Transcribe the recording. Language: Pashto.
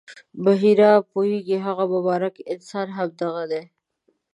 بحیرا پوهېږي هغه مبارک انسان همدغه دی.